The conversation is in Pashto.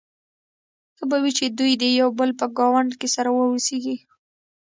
ښه به وي چې دوی د یو بل په ګاونډ کې سره واوسيږي.